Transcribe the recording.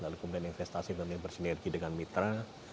lalu kemudian investasi tentunya bersinergi dengan mitra